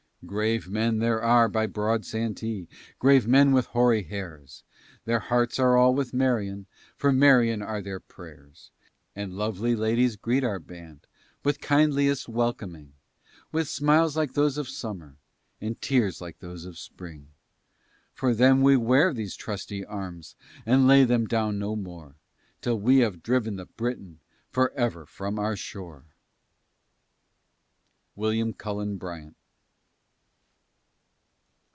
Grave men there are by broad Santee, Grave men with hoary hairs; Their hearts are all with Marion, For Marion are their prayers. And lovely ladies greet our band With kindliest welcoming, With smiles like those of summer, And tears like those of spring. For them we wear these trusty arms, And lay them down no more Till we have driven the Briton Forever from our shore. WILLIAM CULLEN BRYANT.